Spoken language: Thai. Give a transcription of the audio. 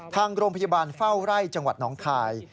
ทางโรงพยาบาลเฝ้าไร่จังหวัดน้องคาย